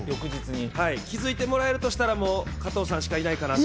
気づいてもらえるとしたら加藤さんしかいないかなって。